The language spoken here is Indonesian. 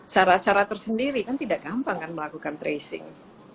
cara cara tersendiri kan tidak gampang kan melakukan tracing